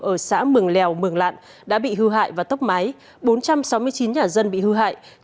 ở xã mường lèo mường lạn đã bị hư hại và tốc máy bốn trăm sáu mươi chín nhà dân bị hư hại